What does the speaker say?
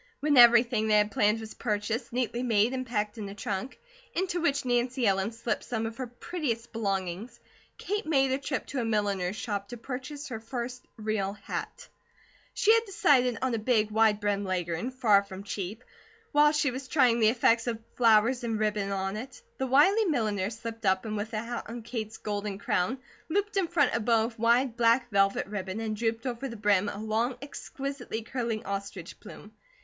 When everything they had planned was purchased, neatly made, and packed in a trunk, into which Nancy Ellen slipped some of her prettiest belongings, Kate made a trip to a milliner's shop to purchase her first real hat. She had decided on a big, wide brimmed Leghorn, far from cheap. While she was trying the effect of flowers and ribbon on it, the wily milliner slipped up and with the hat on Kate's golden crown, looped in front a bow of wide black velvet ribbon and drooped over the brim a long, exquisitely curling ostrich plume.